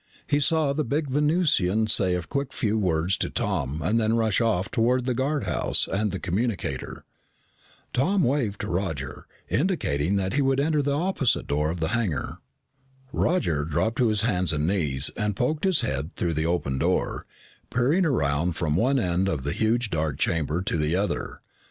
He saw the big Venusian say a few quick words to Tom and then rush off toward the guardhouse and the communicator. Tom waved to Roger, indicating that he would enter the opposite door of the hangar. Roger dropped to his hands and knees and poked his head through the open door, peering around from one end of the huge dark chamber to the other.